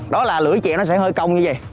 đó là lưỡi chèo nó sẽ hơi cong như vầy